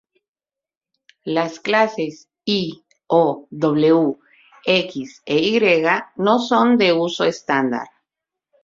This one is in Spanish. Las clases I, O, W, X e Y no son de uso estándar.